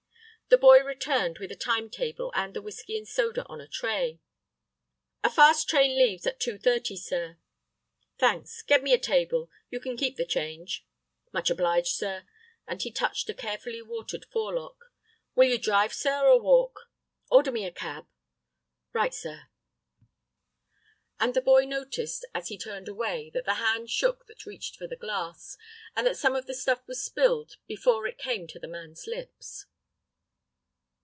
The boy returned with a time table and the whiskey and soda on a tray. "A fast train leaves at 2.30, sir." "Thanks; get me a table. You can keep the change." "Much obliged, sir," and he touched a carefully watered forelock; "will you drive, sir, or walk?" "Order me a cab." "Right, sir." And the boy noticed, as he turned away, that the hand shook that reached for the glass, and that some of the stuff was spilled before it came to the man's lips.